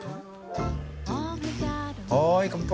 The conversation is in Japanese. はい乾杯！